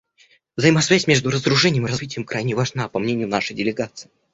Взаимосвязь между разоружением и развитием крайне важна, по мнению нашей делегации.